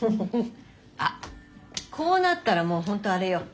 あっこうなったらもう本当あれよ。